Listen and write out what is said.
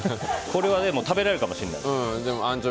これは、でも食べられるかもしれない。